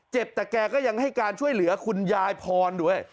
แต่แกก็ยังให้การช่วยเหลือคุณยายพรด้วย